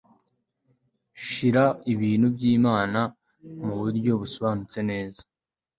Shira ibintu byimana muburyo busobanutse neza